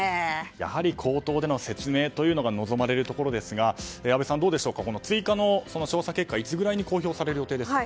やはり口頭での説明というのが望まれるところですが阿部さん、どうでしょうか追加の調査結果はいつぐらいに公表される予定ですか。